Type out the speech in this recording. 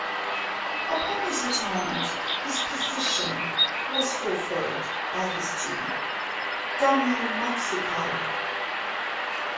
Upon his retirement, his position was fulfilled by his student, Daniel Matsukawa.